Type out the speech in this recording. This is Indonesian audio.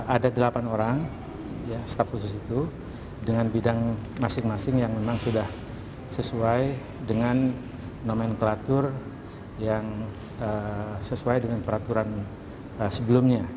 ada delapan orang staff khusus itu dengan bidang masing masing yang memang sudah sesuai dengan nomenklatur yang sesuai dengan peraturan sebelumnya